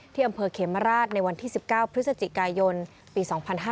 อำเภอเขมราชในวันที่๑๙พฤศจิกายนปี๒๕๕๙